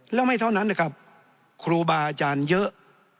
แล้วไม่เท่านั้นนะครับครูบาอาจารย์เยอะ